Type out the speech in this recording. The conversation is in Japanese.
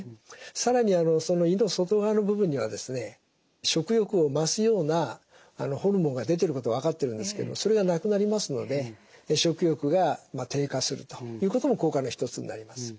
更に胃の外側の部分にはですね食欲を増すようなホルモンが出てることが分かってるんですけどそれがなくなりますので食欲が低下するということも効果の一つになります。